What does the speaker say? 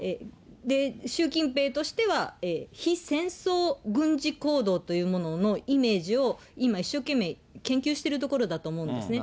習近平としては非戦争軍事行動というもののイメージを今、一生懸命研究してるところだと思うんですね。